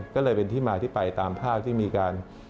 ก็เลยเป็นที่มาที่ไปตามภาพที่มีการ